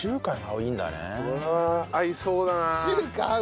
合いそうだなあ。